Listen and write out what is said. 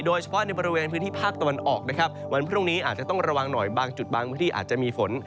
โดยเฉพาะในบริเวณพื้นที่ภาคตะวันออกนะครับวันพรุ่งนี้อาจจะต้องระวังหน่อยบางจุดบางพื้นที่อาจจะมีฝน